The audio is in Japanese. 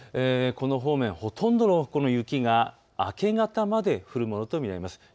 この方面、ほとんどのところ雪が明け方まで降るものと見られます。